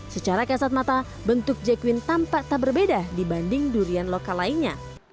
secara kasat mata bentuk jekwin tampak tak berbeda dibanding durian lokal lainnya